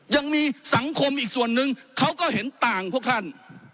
ยังมีสังคมอีกส่วนนึงเขาก็เห็นต่างพวกท่าน